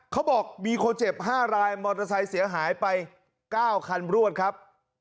เขาบอกมีคนเจ็บ๕รายมอเตอร์ไซค์เสียหายไป๙คันรวดครับ